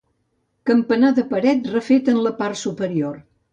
Campanar de paret refet en la part superior.